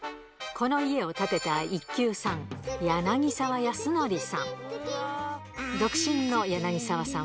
この家を建てた１級さん、柳澤安徳さん。